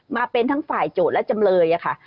มาเป็นทั้งฝ่ายโจทย์และจำเลยค่ะ